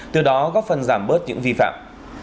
từ đó góp phần giảm bớt những vi phạm